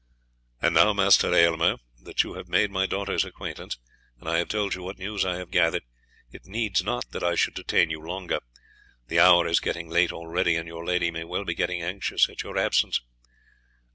"And now, Master Aylmer, that you have made my daughter's acquaintance, and I have told you what news I have gathered, it needs not that I should detain you longer; the hour is getting late already, and your lady may well be getting anxious at your absence.